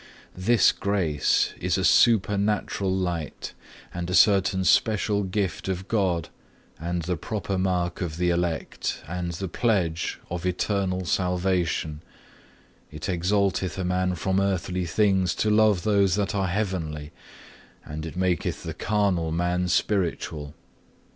18. This Grace is a supernatural light, and a certain special gift of God, and the proper mark of the elect, and the pledge of eternal salvation; it exalteth a man from earthly things to love those that are heavenly; and it maketh the carnal man spiritual.